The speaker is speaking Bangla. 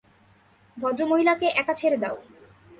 ভদ্রমহিলাকে একা ছেড়ে দাও।